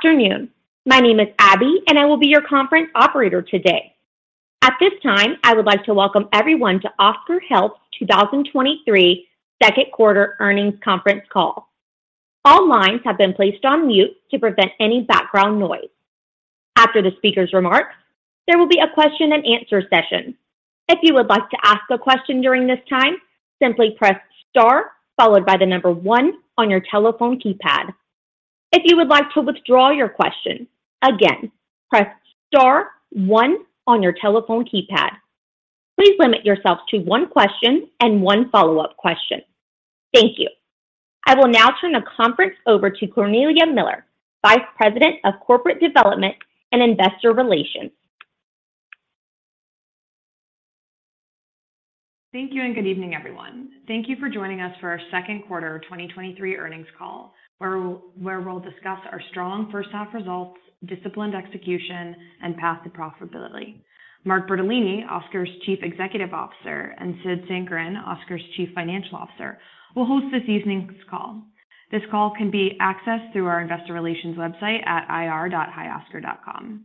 Good afternoon. My name is Abby, and I will be your conference operator today. At this time, I would like to welcome everyone to Oscar Health's 2023 2Q earnings conference call. All lines have been placed on mute to prevent any background noise. After the speaker's remarks, there will be a question and answer session. If you would like to ask a question during this time, simply press Star followed by one on your telephone keypad. If you would like to withdraw your question, again, press star one on your telephone keypad. Please limit yourself to one question and one follow-up question. Thank you. I will now turn the conference over to Cornelia Miller, Vice President of Corporate Development and Investor Relations. Thank you, good evening, everyone. Thank you for joining us for our second quarter 2023 earnings call, where we'll discuss our strong first half results, disciplined execution, and path to profitability. Mark Bertolini, Oscar's Chief Executive Officer, and Sid Sankaran, Oscar's Chief Financial Officer, will host this evening's call. This call can be accessed through our investor relations website at ir.hioscar.com.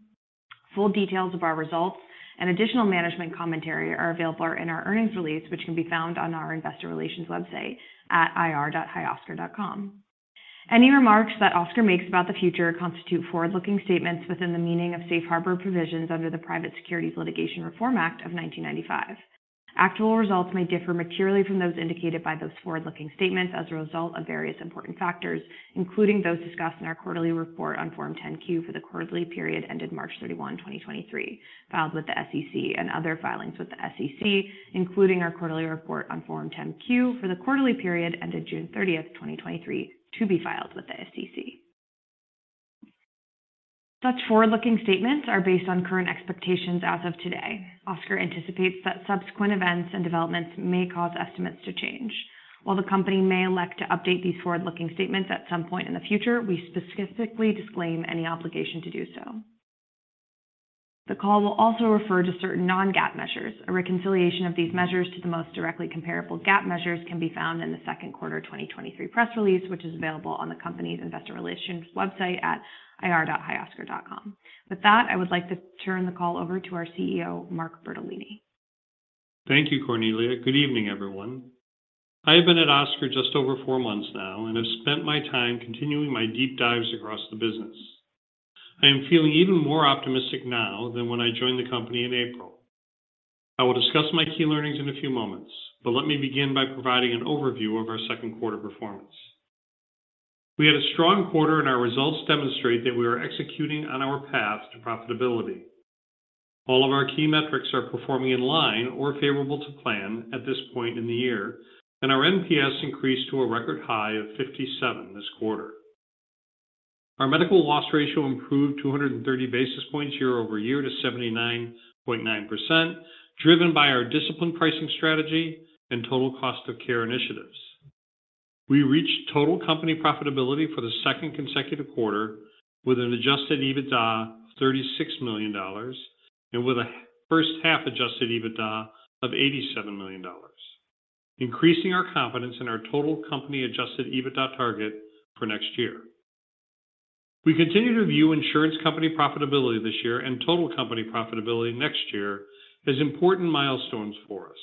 Full details of our results and additional management commentary are available in our earnings release, which can be found on our investor relations website at ir.hioscar.com. Any remarks that Oscar makes about the future constitute forward-looking statements within the meaning of safe harbor provisions under the Private Securities Litigation Reform Act of 1995. Actual results may differ materially from those indicated by those forward-looking statements as a result of various important factors, including those discussed in our quarterly report on Form 10-Q for the quarterly period ended March 31, 2023, filed with the SEC and other filings with the SEC, including our quarterly report on Form 10-Q for the quarterly period ended June 30, 2023, to be filed with the SEC. Such forward-looking statements are based on current expectations as of today. Oscar anticipates that subsequent events and developments may cause estimates to change. While the Company may elect to update these forward-looking statements at some point in the future, we specifically disclaim any obligation to do so. The call will also refer to certain non-GAAP measures. A reconciliation of these measures to the most directly comparable GAAP measures can be found in the second quarter 2023 press release, which is available on the company's investor relations website at ir.hioscar.com. With that, I would like to turn the call over to our CEO, Mark Bertolini. Thank you, Cornelia. Good evening, everyone. I have been at Oscar just over four months now and have spent my time continuing my deep dives across the business. I am feeling even more optimistic now than when I joined the company in April. I will discuss my key learnings in a few moments, but let me begin by providing an overview of our second quarter performance. We had a strong quarter, and our results demonstrate that we are executing on our path to profitability. All of our key metrics are performing in line or favorable to plan at this point in the year, and our NPS increased to a record high of 57 this quarter. Our medical loss ratio improved 230 basis points year-over-year to 79.9%, driven by our disciplined pricing strategy and total cost of care initiatives. We reached total company profitability for the second consecutive quarter with an adjusted EBITDA of $36 million and with a first half adjusted EBITDA of $87 million, increasing our confidence in our total company adjusted EBITDA target for next year. We continue to view insurance company profitability this year and total company profitability next year as important milestones for us,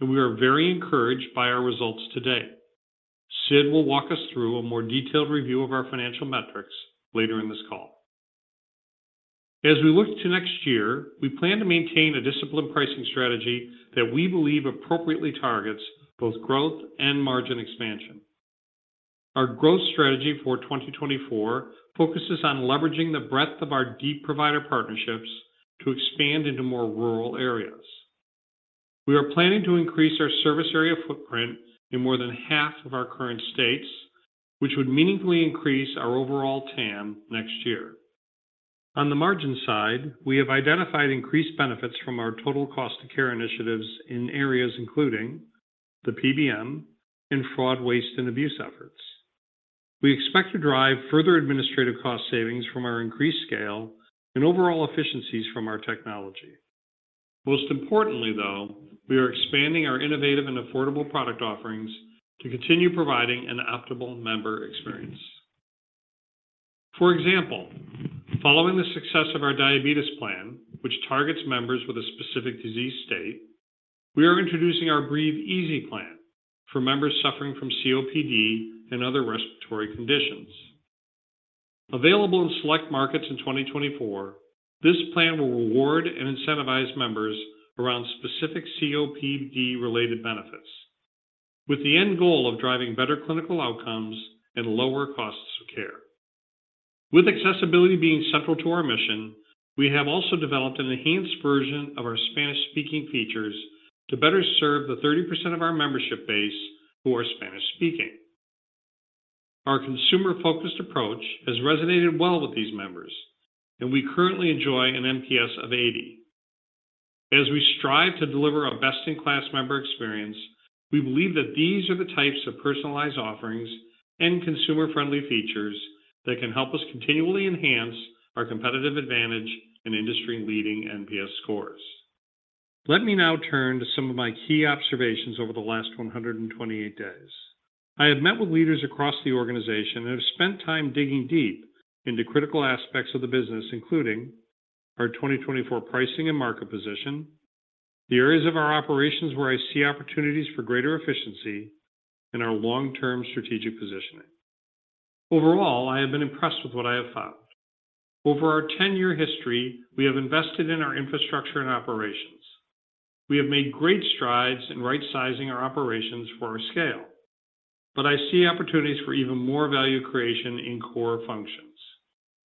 and we are very encouraged by our results today. Sid will walk us through a more detailed review of our financial metrics later in this call. As we look to next year, we plan to maintain a disciplined pricing strategy that we believe appropriately targets both growth and margin expansion. Our growth strategy for 2024 focuses on leveraging the breadth of our deep provider partnerships to expand into more rural areas. We are planning to increase our service area footprint in more than half of our current states, which would meaningfully increase our overall TAM next year. On the margin side, we have identified increased benefits from our total cost of care initiatives in areas including the PBM and fraud, waste, and abuse efforts. We expect to drive further administrative cost savings from our increased scale and overall efficiencies from our technology. Most importantly, though, we are expanding our innovative and affordable product offerings to continue providing an optimal member experience. For example, following the success of our diabetes plan, which targets members with a specific disease state, we are introducing our Breathe Easy plan for members suffering from COPD and other respiratory conditions. Available in select markets in 2024, this plan will reward and incentivize members around specific COPD-related benefits, with the end goal of driving better clinical outcomes and lower costs of care. With accessibility being central to our mission, we have also developed an enhanced version of our Spanish-speaking features to better serve the 30% of our membership base who are Spanish speaking. Our consumer focused approach has resonated well with these members, and we currently enjoy an NPS of 80. As we strive to deliver a best-in-class member experience, we believe that these are the types of personalized offerings and consumer friendly features that can help us continually enhance our competitive advantage and industry leading NPS scores. Let me now turn to some of my key observations over the last 128 days. I have met with leaders across the organization and have spent time digging deep into critical aspects of the business, including our 2024 pricing and market position, the areas of our operations where I see opportunities for greater efficiency, and our long-term strategic positioning. Overall, I have been impressed with what I have found. Over our 10 year history, we have invested in our infrastructure and operations. We have made great strides in right-sizing our operations for our scale, but I see opportunities for even more value creation in core functions.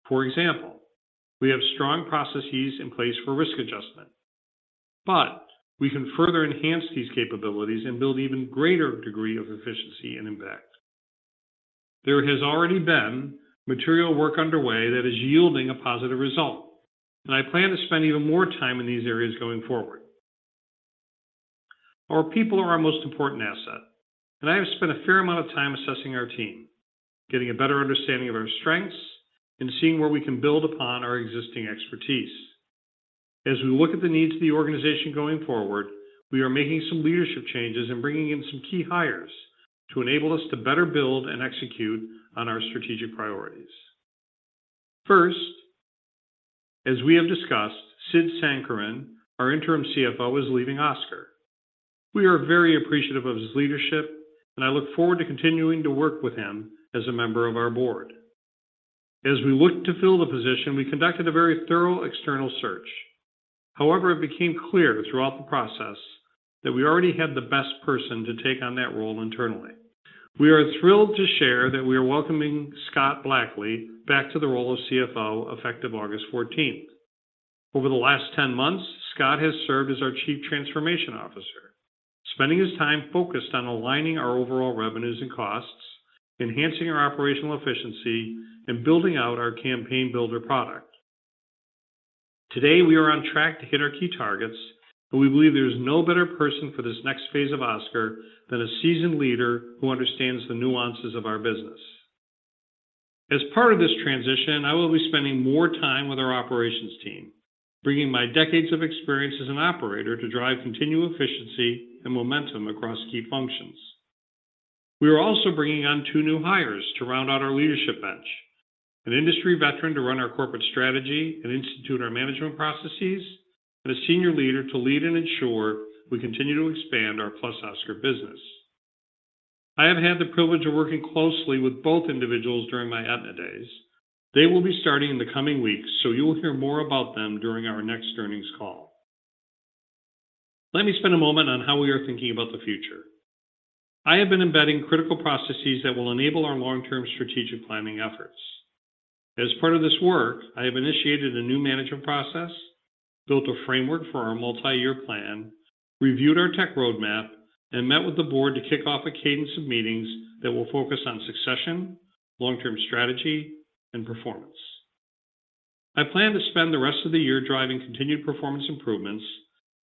For example, we have strong processes in place for risk adjustment, but we can further enhance these capabilities and build even greater degree of efficiency and impact. There has already been material work underway that is yielding a positive result, and I plan to spend even more time in these areas going forward. Our people are our most important asset. I have spent a fair amount of time assessing our team, getting a better understanding of our strengths, and seeing where we can build upon our existing expertise. As we look at the needs of the organization going forward, we are making some leadership changes and bringing in some key hires to enable us to better build and execute on our strategic priorities. First, as we have discussed, Sid Sankaran, our interim CFO, is leaving Oscar. We are very appreciative of his leadership. I look forward to continuing to work with him as a member of our board. As we look to fill the position, we conducted a very thorough external search. It became clear throughout the process that we already had the best person to take on that role internally. We are thrilled to share that we are welcoming Scott Blackley back to the role of CFO, effective August 14th. Over the last 10 months, Scott has served as our Chief Transformation Officer, spending his time focused on aligning our overall revenues and costs, enhancing our operational efficiency, and building out our Campaign Builder product. Today, we are on track to hit our key targets, and we believe there is no better person for this next phase of Oscar than a seasoned leader who understands the nuances of our business. As part of this transition, I will be spending more time with our operations team, bringing my decades of experience as an operator to drive continued efficiency and momentum across key functions. We are also bringing on two new hires to round out our leadership bench: an industry veteran to run our corporate strategy and institute our management processes, and a senior leader to lead and ensure we continue to expand our +Oscar business. I have had the privilege of working closely with both individuals during my Aetna days. They will be starting in the coming weeks, so you will hear more about them during our next earnings call. Let me spend a moment on how we are thinking about the future. I have been embedding critical processes that will enable our long-term strategic planning efforts. As part of this work, I have initiated a new management process, built a framework for our multi-year plan, reviewed our tech roadmap, and met with the board to kick off a cadence of meetings that will focus on succession, long-term strategy, and performance. I plan to spend the rest of the year driving continued performance improvements,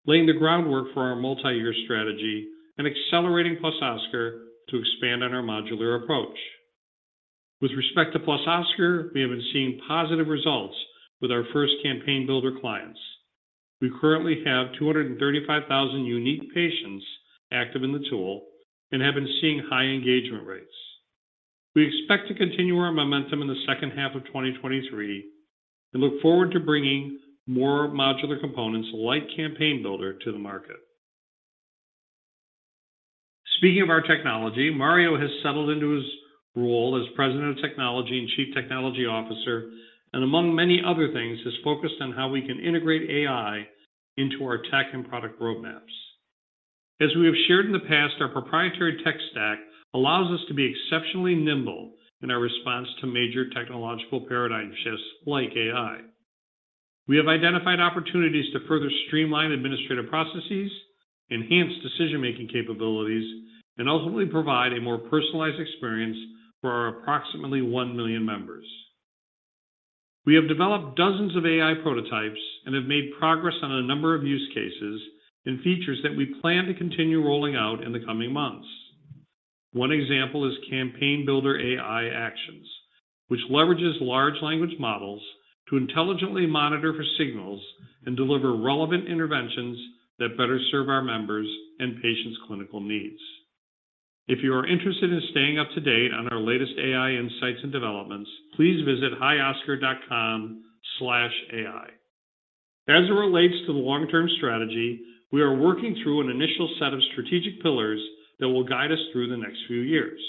laying the groundwork for our multi-year strategy, and accelerating +Oscar to expand on our modular approach. With respect to +Oscar, we have been seeing positive results with our first Campaign Builder clients. We currently have 235,000 unique patients active in the tool and have been seeing high engagement rates. We expect to continue our momentum in the second half of 2023 and look forward to bringing more modular components like Campaign Builder to the market. Speaking of our technology, Mario has settled into his role as President of Technology and Chief Technology Officer, and among many other things, has focused on how we can integrate AI into our tech and product roadmaps. As we have shared in the past, our proprietary tech stack allows us to be exceptionally nimble in our response to major technological paradigm shifts like AI. We have identified opportunities to further streamline administrative processes, enhance decision-making capabilities, and ultimately provide a more personalized experience for our approximately 1 million members. We have developed dozens of AI prototypes and have made progress on a number of use cases and features that we plan to continue rolling out in the coming months. One example is Campaign Builder AI Actions, which leverages large language models to intelligently monitor for signals and deliver relevant interventions that better serve our members' and patients' clinical needs. If you are interested in staying up to date on our latest AI insights and developments, please visit hioscar.com/ai. As it relates to the long-term strategy, we are working through an initial set of strategic pillars that will guide us through the next few years.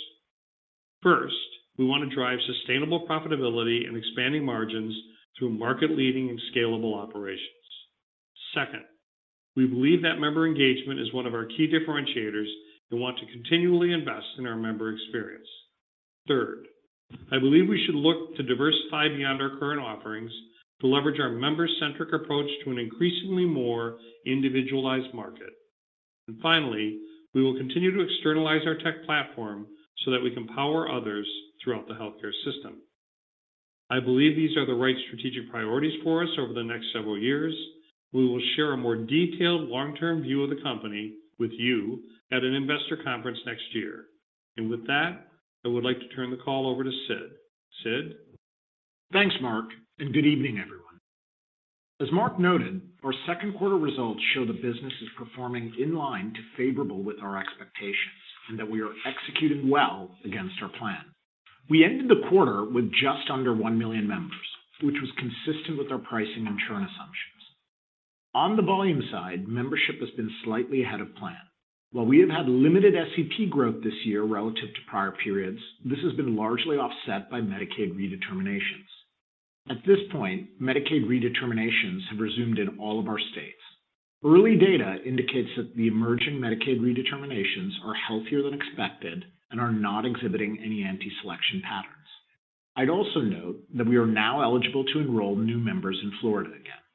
First, we want to drive sustainable profitability and expanding margins through market-leading and scalable operations. Second, we believe that member engagement is one of our key differentiators and want to continually invest in our member experience. Third, I believe we should look to diversify beyond our current offerings to leverage our member-centric approach to an increasingly more individualized market. Finally, we will continue to externalize our tech platform so that we can power others throughout the healthcare system. I believe these are the right strategic priorities for us over the next several years. We will share a more detailed long-term view of the company with you at an investor conference next year. With that, I would like to turn the call over to Sid. Sid? Thanks, Mark, and good evening, everyone. As Mark noted, our second quarter results show the business is performing in line to favorable with our expectations, and that we are executing well against our plan. We ended the quarter with just under 1 million members, which was consistent with our pricing and churn assumptions. On the volume side, membership has been slightly ahead of plan. While we have had limited SEP growth this year relative to prior periods, this has been largely offset by Medicaid redeterminations. At this point, Medicaid redeterminations have resumed in all of our states. Early data indicates that the emerging Medicaid redeterminations are healthier than expected and are not exhibiting any anti-selection patterns. I'd also note that we are now eligible to enroll new members in Florida again.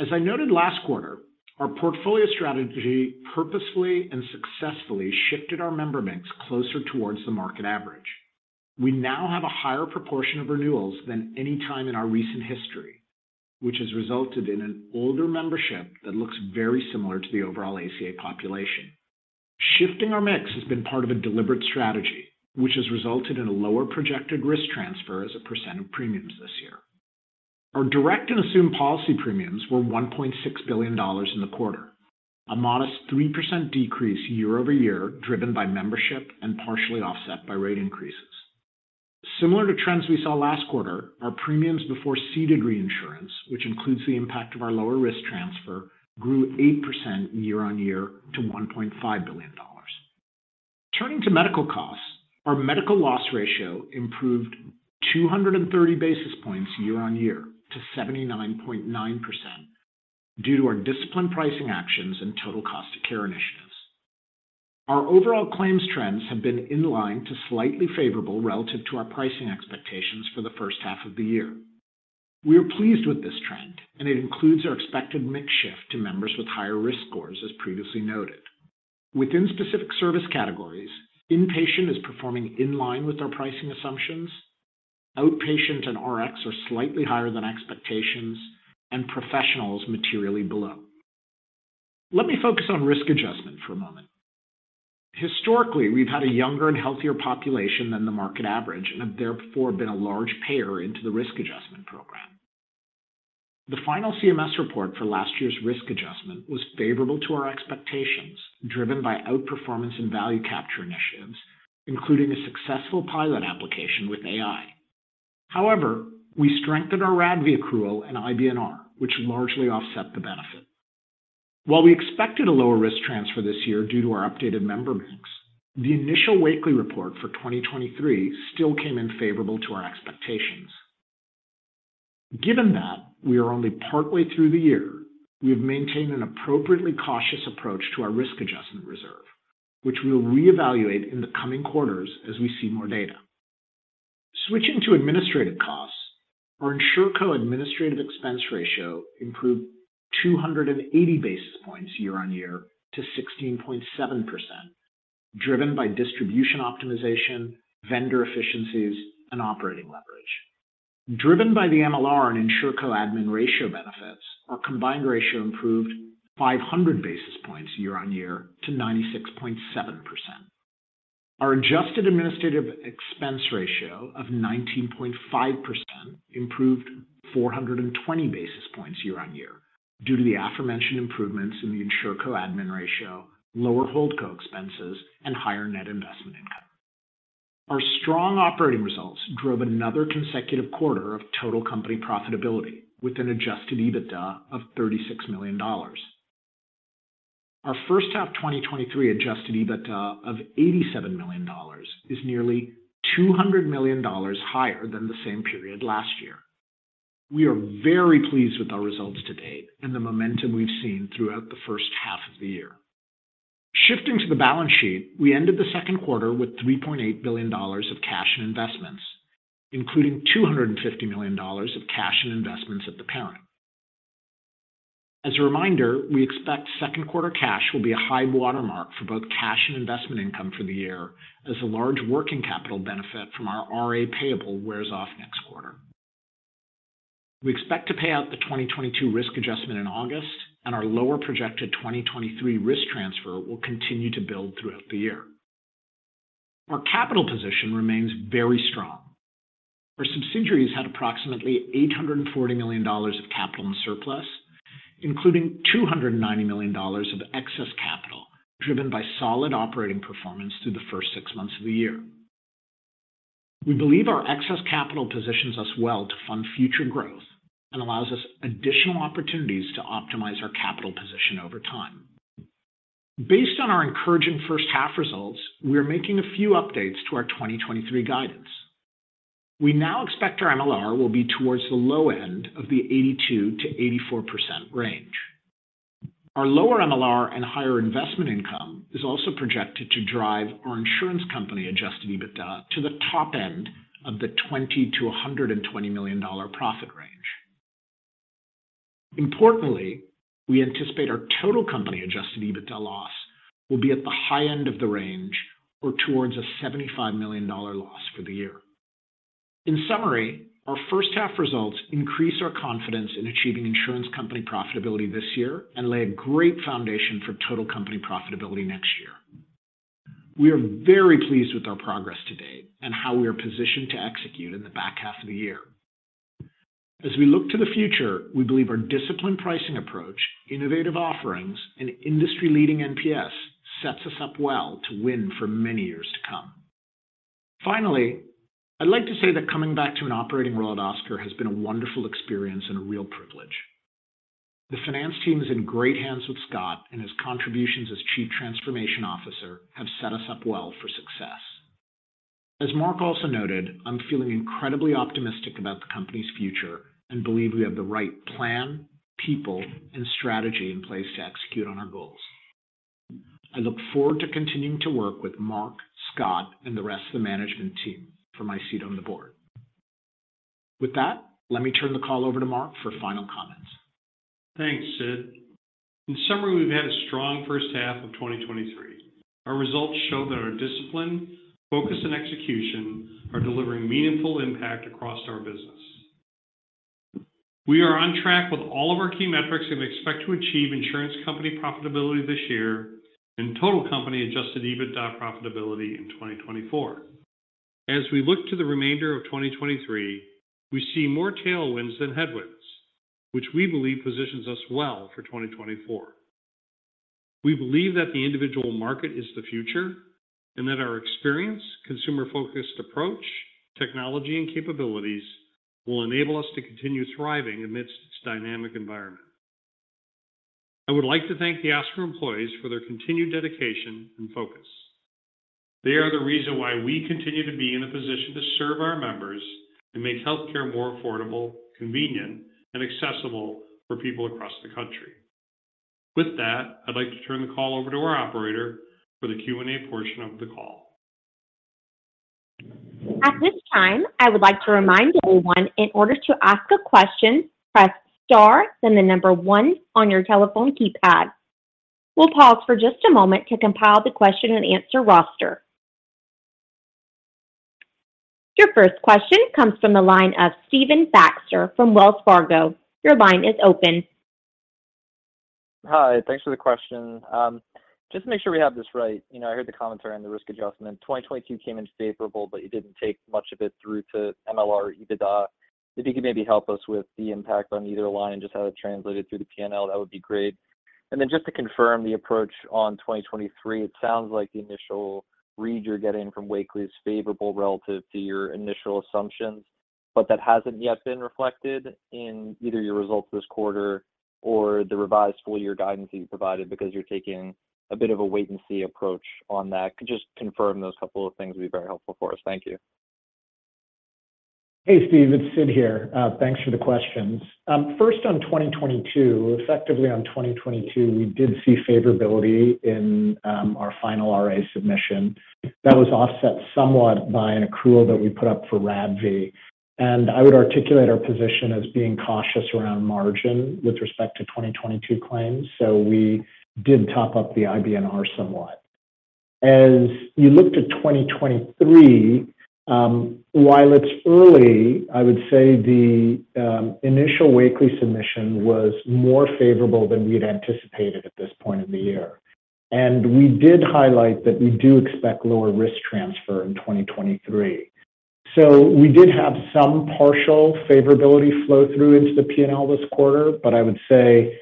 As I noted last quarter, our portfolio strategy purposefully and successfully shifted our member mix closer towards the market average. We now have a higher proportion of renewals than any time in our recent history, which has resulted in an older membership that looks very similar to the overall ACA population. Shifting our mix has been part of a deliberate strategy, which has resulted in a lower projected risk transfer as a % of premiums this year. Our direct and assumed policy premiums were $1.6 billion in the quarter, a modest 3% decrease year-over-year, driven by membership and partially offset by rate increases. Similar to trends we saw last quarter, our premiums before ceded reinsurance, which includes the impact of our lower risk transfer, grew 8% year-on-year to $1.5 billion. Turning to medical costs, our medical loss ratio improved 230 basis points year-on-year to 79.9% due to our disciplined pricing actions and total cost of care initiatives. Our overall claims trends have been in line to slightly favorable relative to our pricing expectations for the first half of the year. We are pleased with this trend, and it includes our expected mix shift to members with higher risk scores, as previously noted. Within specific service categories, inpatient is performing in line with our pricing assumptions, outpatient and RX are slightly higher than expectations, and professionals materially below. Let me focus on risk adjustment for a moment. Historically, we've had a younger and healthier population than the market average and have therefore been a large payer into the risk adjustment program. The final CMS report for last year's risk adjustment was favorable to our expectations, driven by outperformance and value capture initiatives, including a successful pilot application with AI. However, we strengthened our RADV accrual and IBNR, which largely offset the benefit. While we expected a lower risk transfer this year due to our updated member mix, the initial Wakely report for 2023 still came in favorable to our expectations. Given that we are only partway through the year, we have maintained an appropriately cautious approach to our risk adjustment reserve, which we will reevaluate in the coming quarters as we see more data. Switching to administrative costs, our InsureCo administrative expense ratio improved 280 basis points year-on-year to 16.7%, driven by distribution optimization, vendor efficiencies, and operating leverage. Driven by the MLR and InsureCo admin ratio benefits, our combined ratio improved 500 basis points year-on-year to 96.7%. Our adjusted administrative expense ratio of 19.5% improved 420 basis points year-on-year due to the aforementioned improvements in the InsureCo admin ratio, lower Holdco expenses, and higher net investment income. Our strong operating results drove another consecutive quarter of total company profitability with an adjusted EBITDA of $36 million. Our first half 2023 adjusted EBITDA of $87 million is nearly $200 million higher than the same period last year. We are very pleased with our results to date and the momentum we've seen throughout the first half of the year. Shifting to the balance sheet, we ended the second quarter with $3.8 billion of cash and investments, including $250 million of cash and investments at the parent. As a reminder, we expect second quarter cash will be a high watermark for both cash and investment income for the year, as a large working capital benefit from our RA payable wears off next quarter. We expect to pay out the 2022 risk adjustment in August, and our lower projected 2023 risk transfer will continue to build throughout the year. Our capital position remains very strong. Our subsidiaries had approximately $840 million of capital and surplus, including $290 million of excess capital, driven by solid operating performance through the first 6 months of the year. We believe our excess capital positions us well to fund future growth and allows us additional opportunities to optimize our capital position over time. Based on our encouraging first half results, we are making a few updates to our 2023 guidance. We now expect our MLR will be towards the low end of the 82%-84% range. Our lower MLR and higher investment income is also projected to drive our insurance company adjusted EBITDA to the top end of the $20 million-$120 million profit range. Importantly, we anticipate our total company adjusted EBITDA loss will be at the high end of the range or towards a $75 million loss for the year. In summary, our first half results increase our confidence in achieving insurance company profitability this year and lay a great foundation for total company profitability next year. We are very pleased with our progress to date and how we are positioned to execute in the back half of the year. As we look to the future, we believe our disciplined pricing approach, innovative offerings, and industry-leading NPS sets us up well to win for many years to come. Finally, I'd like to say that coming back to an operating role at Oscar has been a wonderful experience and a real privilege. The finance team is in great hands with Scott, and his contributions as Chief Transformation Officer have set us up well for success. As Mark also noted, I'm feeling incredibly optimistic about the company's future and believe we have the right plan, people, and strategy in place to execute on our goals. I look forward to continuing to work with Mark, Scott, and the rest of the management team from my seat on the board. With that, let me turn the call over to Mark for final comments. Thanks, Sid. In summary, we've had a strong first half of 2023. Our results show that our discipline, focus, and execution are delivering meaningful impact across our business. We are on track with all of our key metrics, and we expect to achieve insurance company profitability this year and total company adjusted EBITDA profitability in 2024. As we look to the remainder of 2023, we see more tailwinds than headwinds, which we believe positions us well for 2024. We believe that the individual market is the future, and that our experience, consumer-focused approach, technology, and capabilities will enable us to continue thriving amidst this dynamic environment. I would like to thank the Oscar employees for their continued dedication and focus. They are the reason why we continue to be in a position to serve our members and make healthcare more affordable, convenient, and accessible for people across the country. With that, I'd like to turn the call over to our operator for the Q&A portion of the call. At this time, I would like to remind everyone, in order to ask a question, press star, then the number one on your telephone keypad. We'll pause for just a moment to compile the question-and-answer roster. Your first question comes from the line of Stephen Baxter from Wells Fargo. Your line is open. Hi, thanks for the question. Just to make sure we have this right, you know, I heard the commentary on the risk adjustment. 2022 came in favorable, but you didn't take much of it through to MLR or EBITDA. If you could maybe help us with the impact on either line, just how it translated through the P&L, that would be great. Then just to confirm the approach on 2023, it sounds like the initial read you're getting from Wakely is favorable relative to your initial assumptions, but that hasn't yet been reflected in either your results this quarter or the revised full-year guidance that you provided because you're taking a bit of a wait-and-see approach on that. Could you just confirm those couple of things? Would be very helpful for us. Thank you. Hey, Steve, it's Sid here. Thanks for the questions. First, on 2022, effectively on 2022, we did see favorability in our final RA submission. That was offset somewhat by an accrual that we put up for RADV, and I would articulate our position as being cautious around margin with respect to 2022 claims, so we did top up the IBNR somewhat. As you looked at 2023, while it's early, I would say the initial Wakely submission was more favorable than we'd anticipated at this point in the year. We did highlight that we do expect lower risk transfer in 2023. We did have some partial favorability flow through into the P&L this quarter, but I would say,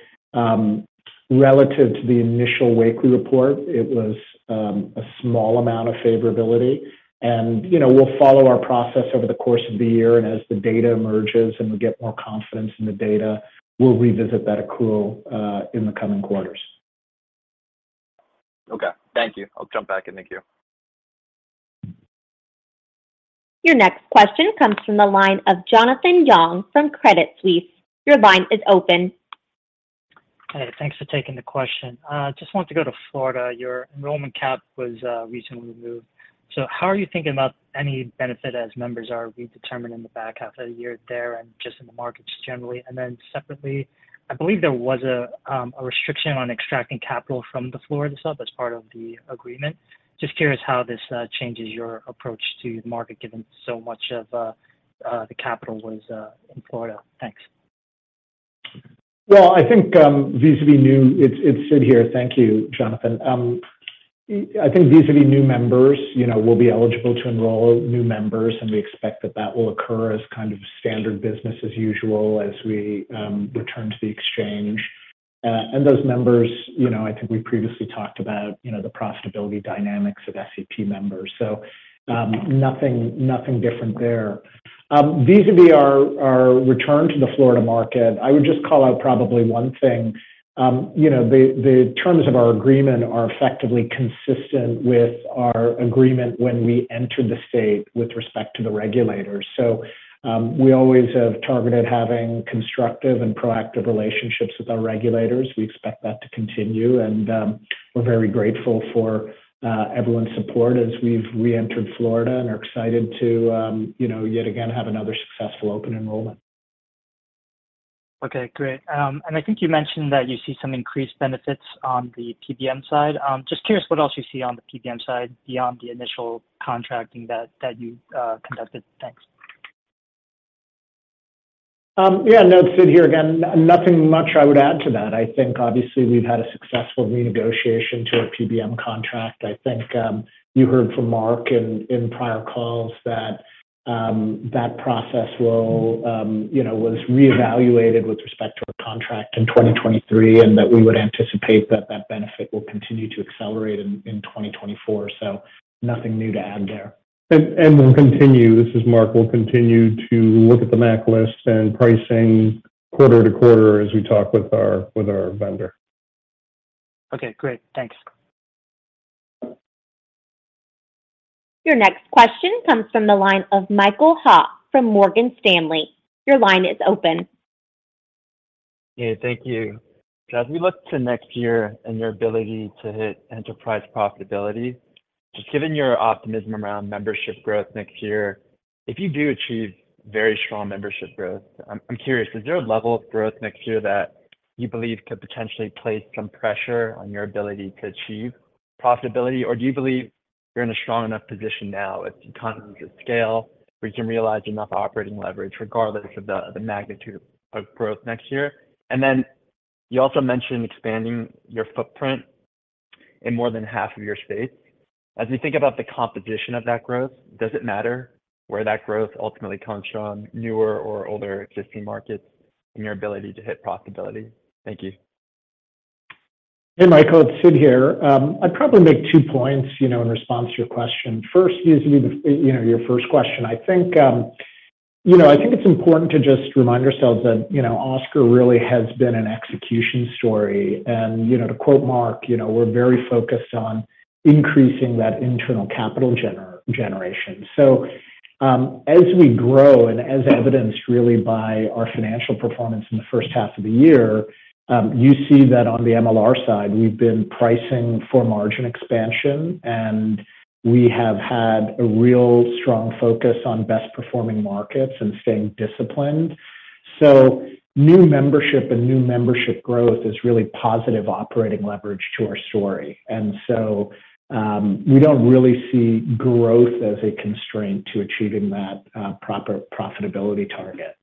relative to the initial Wakely report, it was a small amount of favorability. You know, we'll follow our process over the course of the year, and as the data emerges and we get more confidence in the data, we'll revisit that accrual in the coming quarters. Okay. Thank you. I'll jump back in. Thank you. Your next question comes from the line of Jonathan Yong from Credit Suisse. Your line is open. Hey, thanks for taking the question. Just want to go to Florida. Your enrollment cap was recently removed. How are you thinking about any benefit as members are redetermined in the back half of the year there and just in the markets generally? Separately, I believe there was a restriction on extracting capital from the Florida sub as part of the agreement. Just curious how this changes your approach to the market, given so much of the capital was in Florida. Thanks. Well, I think, vis-à-vis new... It's, it's Sid here. Thank you, Jonathan. I think vis-à-vis new members, you know, we'll be eligible to enroll new members, and we expect that that will occur as kind of standard business as usual as we return to the exchange. Those members, you know, I think we previously talked about, you know, the profitability dynamics of SEP members, so nothing, nothing different there. Vis-à-vis our, our return to the Florida market, I would just call out probably one thing. You know, the, the terms of our agreement are effectively consistent with our agreement when we entered the state with respect to the regulators. We always have targeted having constructive and proactive relationships with our regulators. We expect that to continue, and, we're very grateful for, everyone's support as we've reentered Florida and are excited to, you know, yet again, have another successful open enrollment. Okay, great. I think you mentioned that you see some increased benefits on the PBM side. Just curious what else you see on the PBM side beyond the initial contracting that, that you conducted. Thanks. Yeah, no, Sid here again, nothing much I would add to that. I think obviously we've had a successful renegotiation to our PBM contract. I think, you heard from Mark in, in prior calls that, that process will, you know, was reevaluated with respect to our contract in 2023, and that we would anticipate that that benefit will continue to accelerate in 2024. Nothing new to add there. We'll continue, this is Mark. We'll continue to look at the MAC lists and pricing quarter to quarter as we talk with our, with our vendor. Okay, great. Thanks. Your next question comes from the line of Michael Ha from Morgan Stanley. Your line is open. Hey, thank you. As we look to next year and your ability to hit enterprise profitability, just given your optimism around membership growth next year, if you do achieve very strong membership growth, I'm, I'm curious, is there a level of growth next year that you believe could potentially place some pressure on your ability to achieve profitability? Or do you believe you're in a strong enough position now with the economies of scale, where you can realize enough operating leverage regardless of the, the magnitude of growth next year? You also mentioned expanding your footprint in more than half of your space. As you think about the composition of that growth, does it matter where that growth ultimately comes from, newer or older existing markets in your ability to hit profitability? Thank you. Hey, Michael, it's Sid here. I'd probably make two points, you know, in response to your question. First, usually the, you know, your first question. I think, you know, I think it's important to just remind ourselves that, you know, Oscar really has been an execution story. You know, to quote Mark, you know, we're very focused on increasing that internal capital gener-generation. As we grow and as evidenced really by our financial performance in the first half of the year, you see that on the MLR side, we've been pricing for margin expansion, and we have had a real strong focus on best-performing markets and staying disciplined. New membership and new membership growth is really positive operating leverage to our story. We don't really see growth as a constraint to achieving that proper profitability target.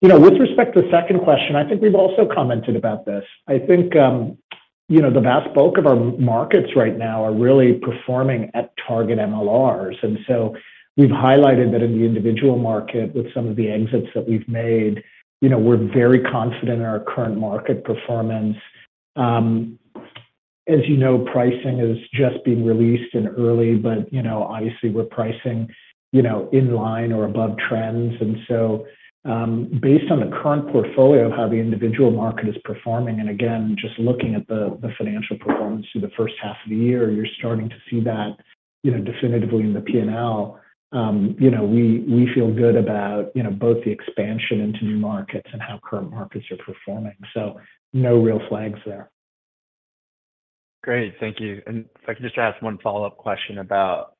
You know, with respect to the second question, I think we've also commented about this. I think, you know, the vast bulk of our markets right now are really performing at target MLRs. We've highlighted that in the individual market with some of the exits that we've made, you know, we're very confident in our current market performance. As you know, pricing is just being released in early, but, you know, obviously, we're pricing, you know, in line or above trends. Based on the current portfolio of how the individual market is performing, and again, just looking at the, the financial performance through the first half of the year, you're starting to see that, you know, definitively in the P&L. You know, we, we feel good about, you know, both the expansion into new markets and how current markets are performing. No real flags there. Great. Thank you. If I could just ask one follow-up question about,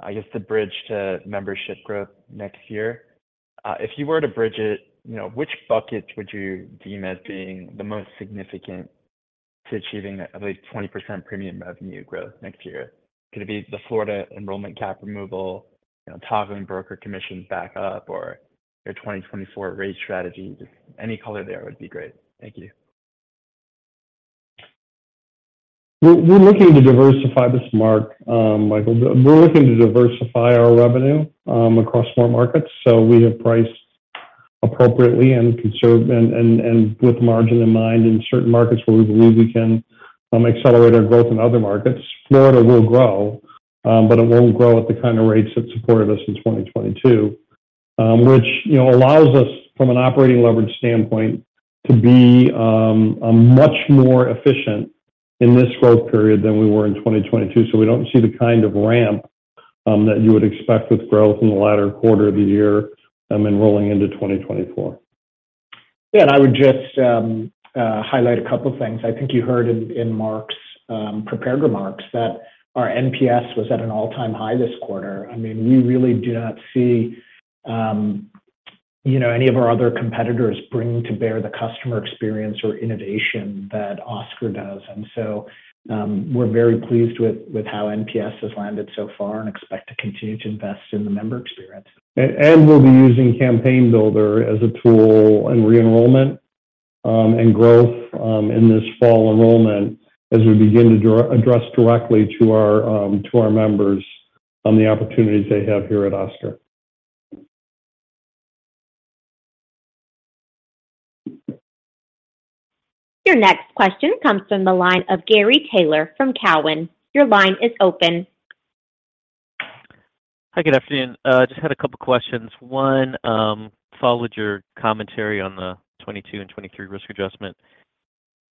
I guess, the bridge to membership growth next year. If you were to bridge it, you know, which buckets would you deem as being the most significant to achieving at least 20% premium revenue growth next year? Could it be the Florida enrollment cap removal, toggling broker commissions back up, or your 2024 rate strategy? Just any color there would be great. Thank you. We're, we're looking to diversify. This is Mark, Michael. We're looking to diversify our revenue across more markets. We have priced appropriately and conserved, and, and, and with margin in mind in certain markets where we believe we can accelerate our growth in other markets. Florida will grow, but it won't grow at the kind of rates that supported us in 2022, which, you know, allows us from an operating leverage standpoint, to be a much more efficient in this growth period than we were in 2022. We don't see the kind of ramp that you would expect with growth in the latter quarter of the year, and rolling into 2024. Yeah, I would just highlight a couple of things. I think you heard in Mark's prepared remarks that our NPS was at an all-time high this quarter. I mean, we really do not see, you know, any of our other competitors bringing to bear the customer experience or innovation that Oscar does. So, we're very pleased with how NPS has landed so far and expect to continue to invest in the member experience. We'll be using Campaign Builder as a tool in re-enrollment, and growth, in this fall enrollment as we begin to address directly to our, to our members on the opportunities they have here at Oscar. Your next question comes from the line of Gary Taylor from Cowen. Your line is open. Hi, good afternoon. Just had a couple of questions. One, followed your commentary on the 2022 and 2023 risk adjustment,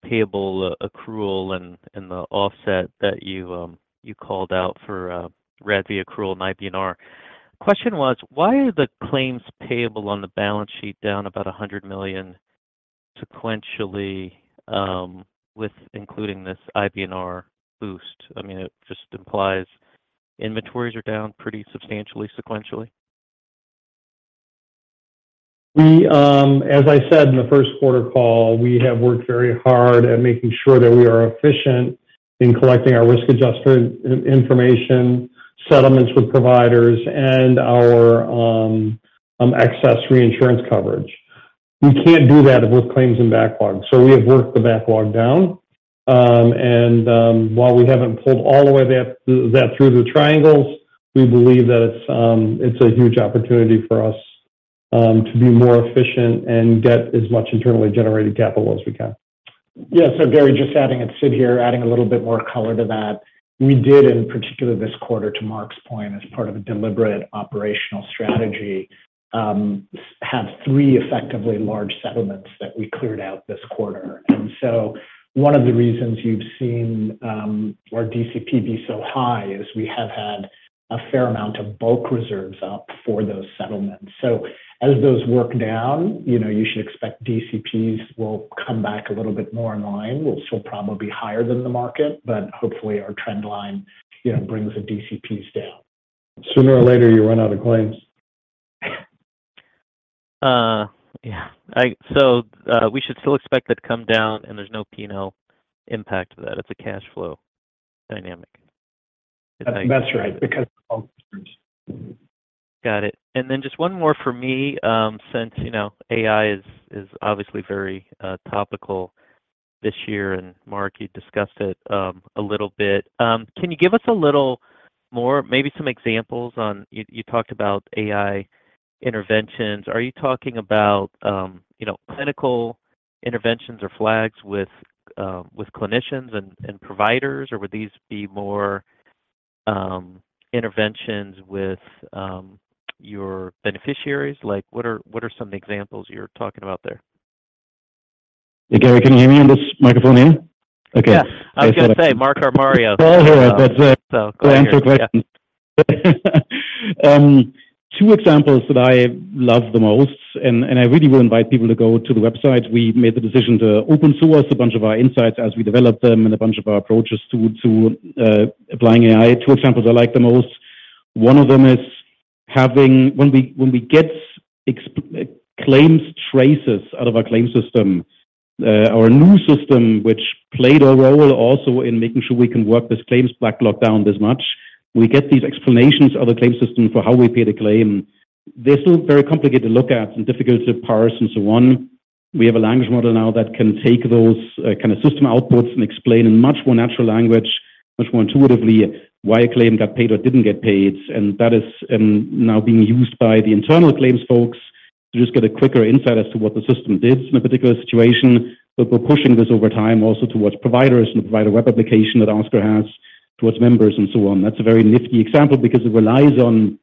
payable, accrual, and the offset that you called out for RADV accrual in IBNR. Question was, why are the claims payable on the balance sheet down about $100 million sequentially, with including this IBNR boost? I mean, it just implies inventories are down pretty substantially sequentially. We, as I said in the first quarter call, we have worked very hard at making sure that we are efficient in collecting our risk adjuster in- information, settlements with providers, and our excess reinsurance coverage. We can't do that with claims and backlogs, so we have worked the backlog down. While we haven't pulled all the way that through the triangles, we believe that it's a huge opportunity for us to be more efficient and get as much internally generated capital as we can. Yeah, Gary, just adding, it's Sid here, adding a little bit more color to that. We did, in particular, this quarter, to Mark's point, as part of a deliberate operational strategy, have three effectively large settlements that we cleared out this quarter. One of the reasons you've seen, our DCP be so high is we have had a fair amount of bulk reserves up for those settlements. As those work down, you know, you should expect DCPs will come back a little bit more in line, which will probably be higher than the market, but hopefully, our trend line, you know, brings the DCPs down. Sooner or later, you run out of claims. Yeah. We should still expect that to come down, and there's no P&L impact to that. It's a cash flow dynamic. That's right, because- Got it. Then just one more for me, since, you know, AI is, is obviously very topical this year, and Mark, you discussed it a little bit. Can you give us a little more, maybe some examples on... You talked about AI interventions. Are you talking about, you know, clinical interventions or flags with clinicians and providers, or would these be more interventions with your beneficiaries? Like, what are, what are some examples you're talking about there? Hey, Gary, can you hear me in this microphone here? Okay. Yeah, I was gonna say, Mark or Mario. Go ahead, answer the question. two examples that I love the most, and I really will invite people to go to the website. We made the decision to open source a bunch of our insights as we developed them and a bunch of our approaches to, to applying AI. Two examples I like the most, one of them is when we, when we get claims traces out of our claim system, our new system, which played a role also in making sure we can work this claims backlog down this much, we get these explanations of the claim system for how we pay the claim. This is very complicated to look at and difficult to parse and so on. We have a language model now that can take those kind of system outputs and explain in much more natural language, much more intuitively, why a claim got paid or didn't get paid. That is now being used by the internal claims folks to just get a quicker insight as to what the system did in a particular situation. We're pushing this over time also towards providers and provide a web application that Oscar has towards members and so on. That's a very nifty example because it relies on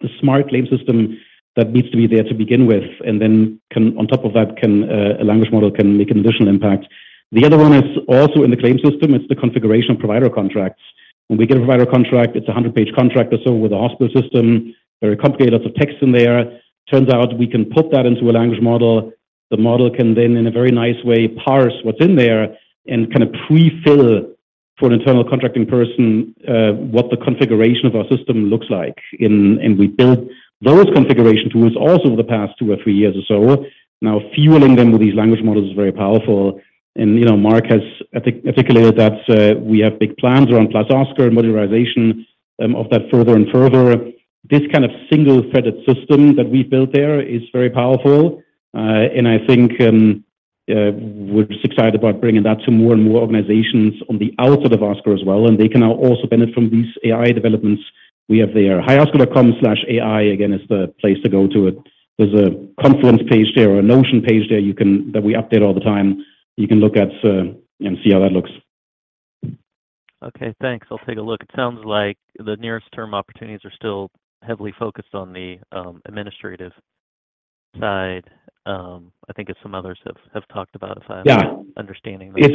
the smart claim system that needs to be there to begin with, and then can, on top of that, can a language model can make an additional impact. The other one is also in the claim system. It's the configuration of provider contracts. When we get a provider contract, it's a 100 page contract or so with a hospital system, very complicated, lots of text in there. Turns out we can put that into a language model. The model can then, in a very nice way, parse what's in there and kind of pre-fill for an internal contracting person, what the configuration of our system looks like. We built those configuration tools also over the past two or three years or so. Now, fueling them with these language models is very powerful. You know, Mark has articulated that we have big plans around +Oscar and modularization of that further and further. This kind of single-threaded system that we built there is very powerful, and I think we're just excited about bringing that to more and more organizations on the outside of Oscar as well, and they can now also benefit from these AI developments we have there. hioscar.com/ai, again, is the place to go to. There's a Confluence page there or a Notion page there that we update all the time. You can look at, and see how that looks. Okay, thanks. I'll take a look. It sounds like the nearest term opportunities are still heavily focused on the administrative side, I think as some others have, have talked about side-. Yeah. - understanding. I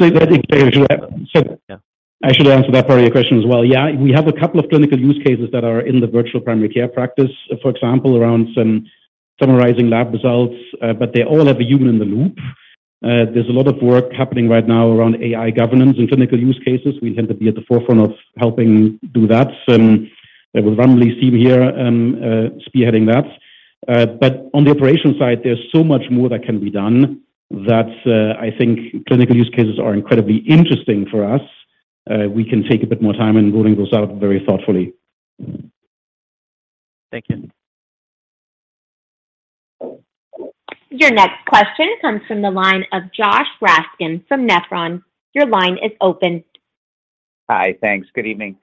should answer that part of your question as well. Yeah, we have a couple of clinical use cases that are in the virtual primary care practice, for example, around some summarizing lab results, but they all have a human in the loop. There's a lot of work happening right now around AI governance and clinical use cases. We tend to be at the forefront of helping do that. There was randomly seen here, spearheading that. On the operation side, there's so much more that can be done, that, I think clinical use cases are incredibly interesting for us. We can take a bit more time in rolling those out very thoughtfully. Thank you. Your next question comes from the line of Joshua Raskin from Nephron. Your line is open. Hi, thanks. Good evening.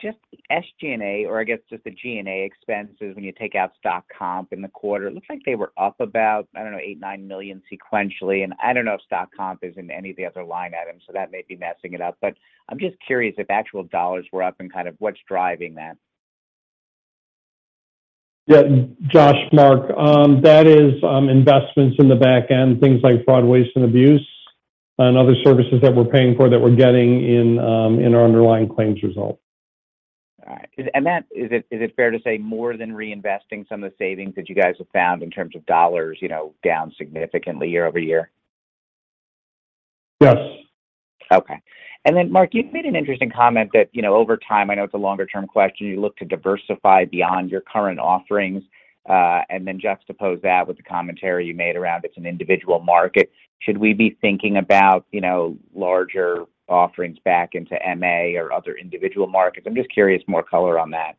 Just the SG&A, or I guess just the G&A expenses, when you take out stock comp in the quarter, it looks like they were up about, I don't know, $8 million-$9 million sequentially. I don't know if stock comp is in any of the other line items, so that may be messing it up. I'm just curious if actual dollars were up and kind of what's driving that? Yeah, Josh, Mark, that is investments in the back end, things like fraud, waste, and abuse, and other services that we're paying for that we're getting in, in our underlying claims result. All right. That, is it, is it fair to say more than reinvesting some of the savings that you guys have found in terms of dollars, you know, down significantly year-over-year? Yes. Okay. Then, Mark, you've made an interesting comment that, you know, over time, I know it's a longer-term question, you look to diversify beyond your current offerings, and then juxtapose that with the commentary you made around it's an individual market. Should we be thinking about, you know, larger offerings back into MA or other individual markets? I'm just curious, more color on that.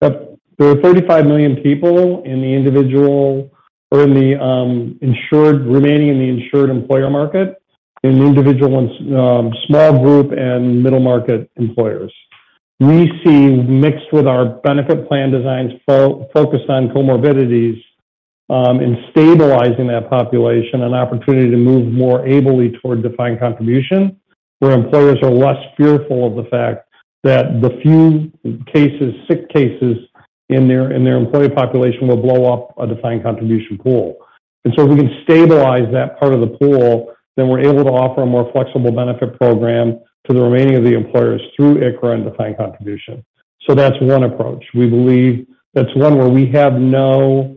There are 35 million people in the individual or in the insured, remaining in the insured employer market, in individual and small group and middle market employers. We see, mixed with our benefit plan designs focused on comorbidities, in stabilizing that population, an opportunity to move more ably toward defined contribution, where employers are less fearful of the fact that the few cases, sick cases in their, in their employee population will blow up a defined contribution pool. If we can stabilize that part of the pool, then we're able to offer a more flexible benefit program to the remaining of the employers through ICHRA and defined contribution. That's one approach. We believe that's one where we have no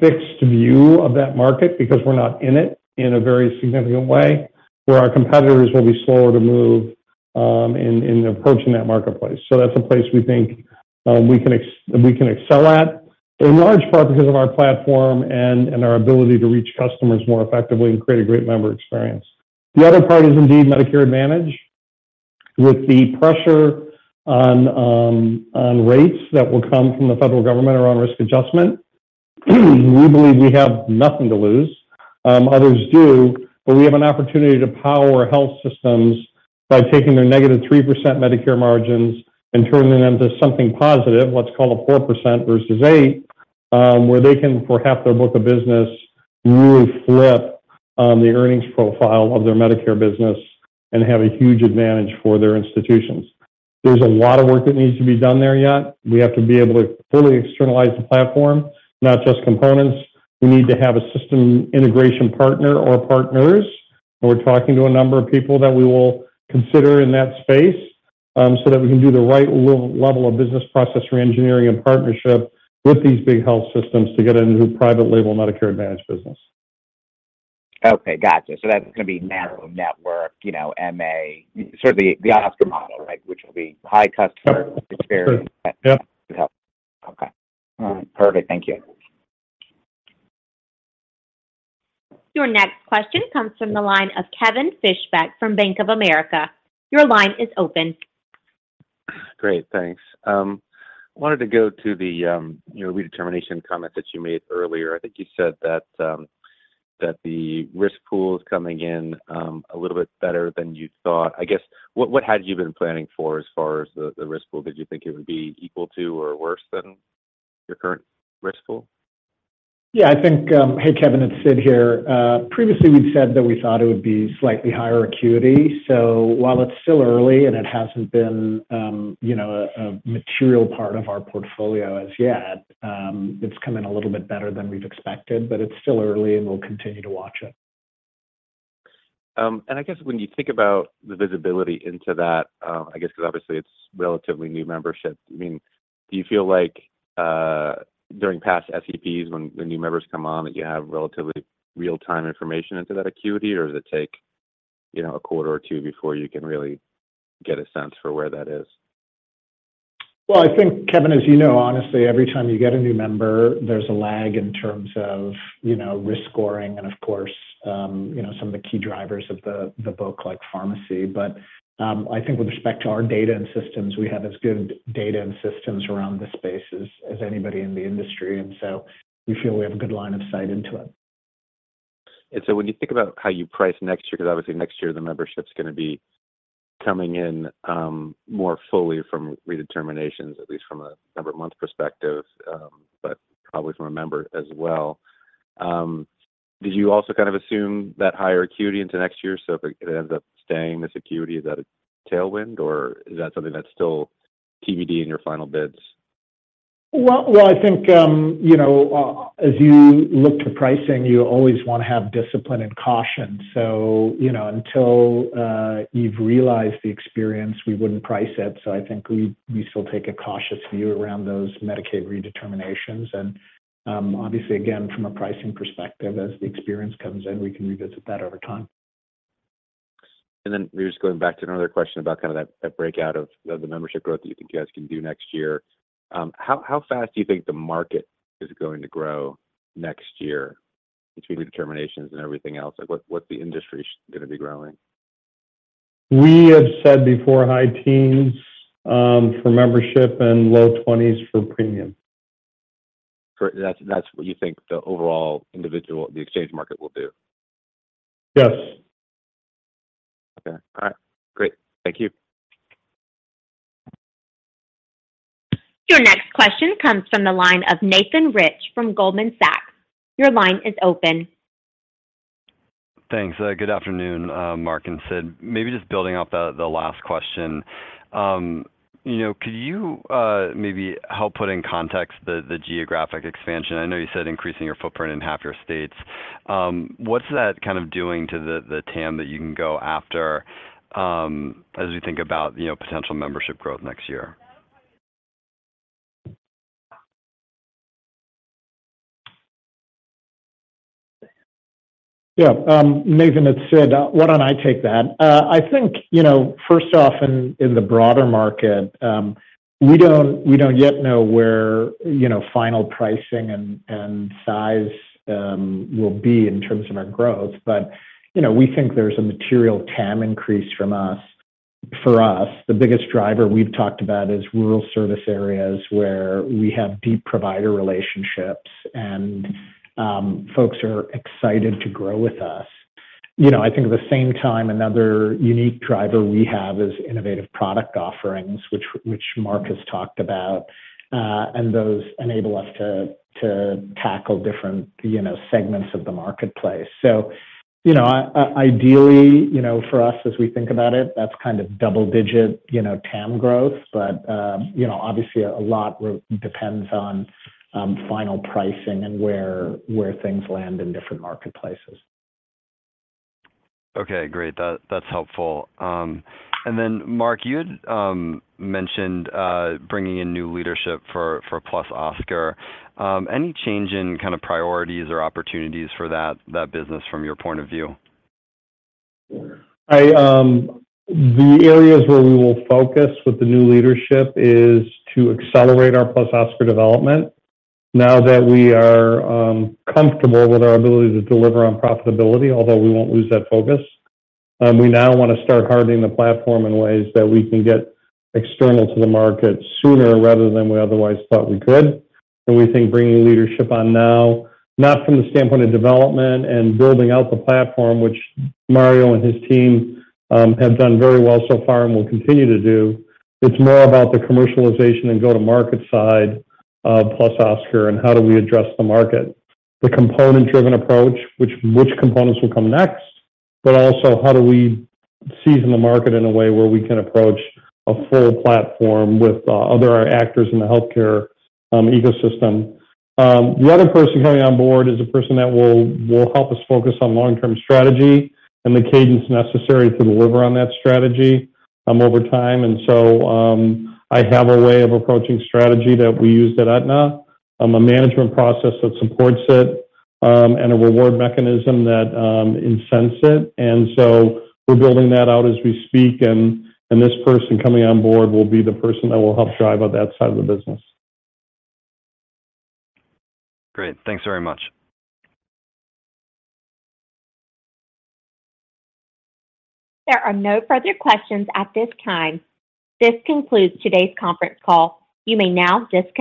fixed view of that market because we're not in it in a very significant way, where our competitors will be slower to move, in, in approaching that marketplace. That's a place we think we can excel at, in large part, because of our platform and, and our ability to reach customers more effectively and create a great member experience. The other part is indeed Medicare Advantage. With the pressure on rates that will come from the federal government around risk adjustment, we believe we have nothing to lose. Others do, we have an opportunity to power health systems by taking their -3% Medicare margins and turning them into something positive, let's call it 4% versus eight, where they can, for half their book of business, really flip the earnings profile of their Medicare business and have a huge advantage for their institutions. There's a lot of work that needs to be done there yet. We have to be able to fully externalize the platform, not just components. We need to have a system integration partner or partners, we're talking to a number of people that we will consider in that space, so that we can do the right level of business process reengineering and partnership with these big health systems to get into private label Medicare Advantage business. Okay, got you. That's gonna be narrow network, you know, MA, sort of the, the Oscar model, right? Which will be high customer experience. Sure. Yeah. Okay. All right. Perfect. Thank you. Your next question comes from the line of Kevin Fischbeck from Bank of America. Your line is open. Great, thanks. I wanted to go to the, you know, redetermination comment that you made earlier. I think you said that the risk pool is coming in a little bit better than you thought. I guess, what, what had you been planning for as far as the, the risk pool? Did you think it would be equal to or worse than your current risk pool? Yeah, I think, Hey, Kevin, it's Sid here. Previously, we've said that we thought it would be slightly higher acuity. While it's still early and it hasn't been, you know, a material part of our portfolio as yet, it's coming a little bit better than we've expected, but it's still early, and we'll continue to watch it. I guess when you think about the visibility into that, I guess because obviously it's relatively new membership, I mean, do you feel like, during past SEPs, when, when new members come on, that you have relatively real-time information into that acuity, or does it take, you know, a quarter or two before you can really get a sense for where that is? Well, I think, Kevin, as you know, honestly, every time you get a new member, there's a lag in terms of, you know, risk scoring and, of course, you know, some of the key drivers of the, the book, like pharmacy. I think with respect to our data and systems, we have as good data and systems around this space as, as anybody in the industry, and so we feel we have a good line of sight into it. So when you think about how you price next year, because obviously next year, the membership is gonna be coming in, more fully from redeterminations, at least from a member month perspective, but probably from a member as well. Did you also kind of assume that higher acuity into next year? So if it ends up staying this acuity, is that a tailwind, or is that something that's still TBD in your final bids? Well, well, I think, you know, as you look to pricing, you always want to have discipline and caution. You know, until you've realized the experience, we wouldn't price it. I think we, we still take a cautious view around those Medicaid redeterminations. Obviously, again, from a pricing perspective, as the experience comes in, we can revisit that over time. Just going back to another question about kind of that, that breakout of, of the membership growth that you think you guys can do next year. How fast do you think the market is going to grow next year between redeterminations and everything else? Like, what, what's the industry gonna be growing? We have said before, high teens for membership and low twenties for premium. Great. That's, that's what you think the overall individual, the exchange market will do? Yes. Okay. All right. Great. Thank you. Your next question comes from the line of Nathan Rich from Goldman Sachs. Your line is open. Thanks. Good afternoon, Mark and Sid. Maybe just building off the last question. You know, could you maybe help put in context the geographic expansion? I know you said increasing your footprint in half your states. What's that kind of doing to the TAM that you can go after, as we think about, you know, potential membership growth next year? Yeah. Nathan, it's Sid. Why don't I take that? I think, you know, first off, in, in the broader market, we don't, we don't yet know where, you know, final pricing and, and size, will be in terms of our growth. You know, we think there's a material TAM increase from us. For us, the biggest driver we've talked about is rural service areas where we have deep provider relationships, and folks are excited to grow with us. You know, I think at the same time, another unique driver we have is innovative product offerings, which, which Mark has talked about. And those enable us to, to tackle different, you know, segments of the marketplace. You know, ideally, you know, for us, as we think about it, that's kind of double-digit, you know, TAM growth. You know, obviously a lot will depends on, final pricing and where, where things land in different marketplaces. Okay, great. That, that's helpful. Mark, you had mentioned bringing in new leadership for +Oscar. Any change in kind of priorities or opportunities for that, that business from your point of view? I, the areas where we will focus with the new leadership is to accelerate our +Oscar development. Now that we are comfortable with our ability to deliver on profitability, although we won't lose that focus, we now wanna start hardening the platform in ways that we can get external to the market sooner, rather than we otherwise thought we could. We think bringing leadership on now, not from the standpoint of development and building out the platform, which Mario and his team have done very well so far and will continue to do. It's more about the commercialization and go-to-market side of +Oscar, and how do we address the market. The component-driven approach, which, which components will come next, but also how do we season the market in a way where we can approach a full platform with other actors in the healthcare ecosystem. The other person coming on board is a person that will, will help us focus on long-term strategy and the cadence necessary to deliver on that strategy over time. I have a way of approaching strategy that we used at Aetna, a management process that supports it, and a reward mechanism that incents it. We're building that out as we speak, and, and this person coming on board will be the person that will help drive up that side of the business. Great. Thanks very much. There are no further questions at this time. This concludes today's conference call. You may now disconnect.